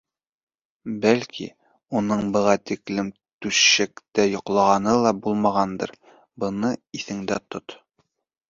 — Бәлки, уның быға тиклем түшәктә йоҡлағаны ла булмағандыр, быны иҫендә тот.